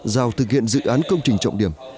giao thực hiện dự án công trình trọng điểm